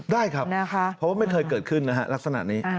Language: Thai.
ได้ครับเพราะว่าไม่เคยเกิดขึ้นลักษณะนี้